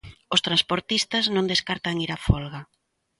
Os transportistas non descartan ir á folga.